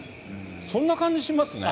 そんな感じしますね。